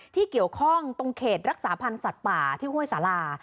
ที่เกี่ยวข้องตรงเขตรักษาพันธ์สัตว์ป่าที่ห้วยสารา